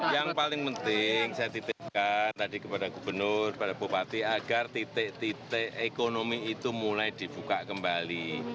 yang paling penting saya titipkan tadi kepada gubernur kepada bupati agar titik titik ekonomi itu mulai dibuka kembali